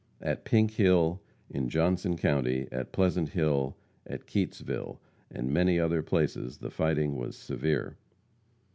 At Pink Hill, in Johnson county, at Pleasant Hill, at Keytesville, and many other places the fighting was severe.